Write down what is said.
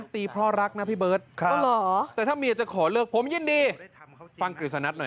ตีเพราะรักนะพี่เบิร์ตแต่ถ้าเมียจะขอเลิกผมยินดีฟังกฤษณะหน่อย